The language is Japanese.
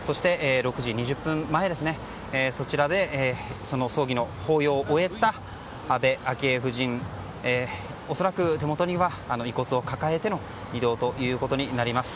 ６時２０分前、そちらでその葬儀の法要を終えた安倍昭恵夫人、恐らく手元には遺骨を抱えての移動ということになります。